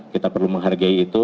kita perlu menghargai itu